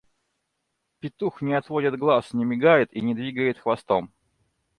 Петух не отводит глаз, не мигает и не двигает хвостом.